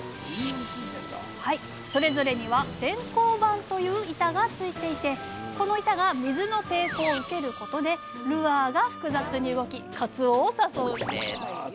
それぞれには潜航板という板がついていてこの板が水の抵抗を受けることでルアーが複雑に動きかつおを誘うんですあ